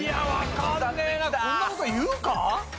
こんな事言うか？